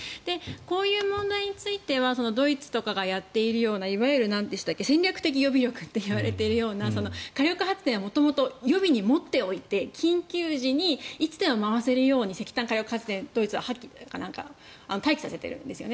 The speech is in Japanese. こういう問題についてはドイツとかがやっているようないわゆる戦略的予備力といわれているような火力発電を元々、予備に持っておいて緊急時にいつでも回せるように石炭火力発電をドイツは待機させているんですよ。